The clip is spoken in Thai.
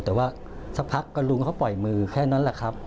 แต่ว่าสักพักก็ลุงเขาปล่อยมือแค่นั้นแหละครับ